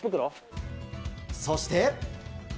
そして。